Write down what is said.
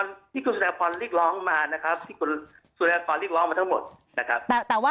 นี่คือสุดยอดความริกร้องมานะครับสุดยอดความริกร้องมาทั้งหมดนะครับ